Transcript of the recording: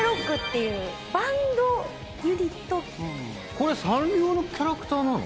これサンリオのキャラクターなの？